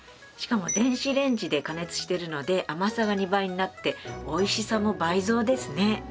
しかも電子レンジで加熱してるので甘さが２倍になっておいしさも倍増ですね。